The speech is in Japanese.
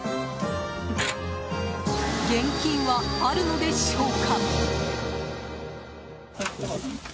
現金はあるのでしょうか？